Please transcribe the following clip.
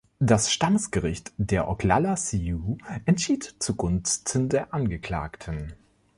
Das Stammesgericht der Oglala-Sioux entschied zu Gunsten der Angeklagten.